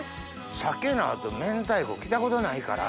鮭の後明太子きたことないから。